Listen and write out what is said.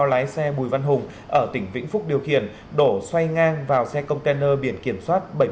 lái xe bùi văn hùng ở tỉnh vĩnh phúc điều khiển đổ xoay ngang vào xe container biển kiểm soát